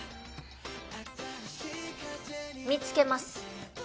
見つけます。